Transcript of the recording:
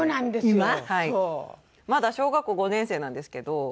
まだ小学校５年生なんですけど。